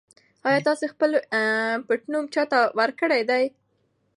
ایا تاسي خپل پټنوم چا ته ورکړی دی؟